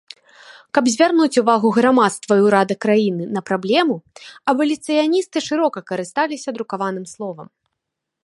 Каб звярнуць увагу грамадства і ўрада краіны на праблему абаліцыяністы шырока карысталіся друкаваным словам.